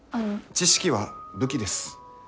知識は武器です。